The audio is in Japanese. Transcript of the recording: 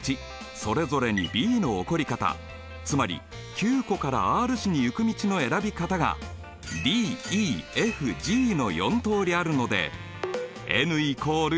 それぞれにＢの起こり方つまりＱ湖からＲ市に行く道の選び方がｄｅｆｇの４通りあるのでｎ＝４だ。